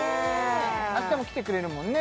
あしたも来てくれるもんね